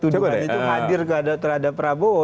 tuduhan itu hadir terhadap prabowo